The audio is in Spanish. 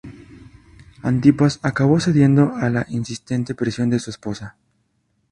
Antipas acabó cediendo a la insistente presión de su esposa.